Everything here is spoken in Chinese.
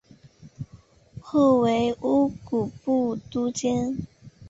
后为乌古部都监。